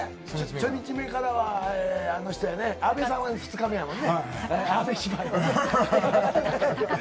初日目からは、あの人やね、阿部さんは２日目やもんね、高藤。